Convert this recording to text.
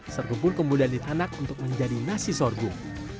sorghum pun kemudian ditanak untuk menjadi nasi sorghum